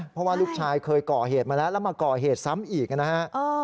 เพราะว่าลูกชายเคยก่อเหตุมาแล้วแล้วมาก่อเหตุซ้ำอีกนะฮะ